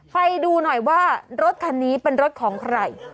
ไปดูหน่อยว่ารถคันนี้เป็นรถของใคร